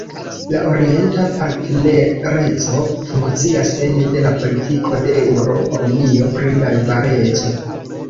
La Orienta Partnereco funkcias ene de la Politiko de Eŭropa Unio pri Najbareco.